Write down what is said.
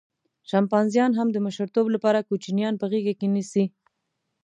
شامپانزیان هم د مشرتوب لپاره کوچنیان په غېږه کې نیسي.